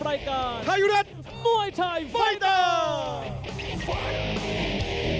รายการไทยรัฐมวยไทยไฟเตอร์